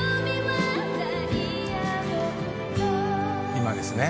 今ですね。